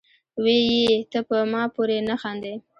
وې ئې " تۀ پۀ ما پورې نۀ خاندې،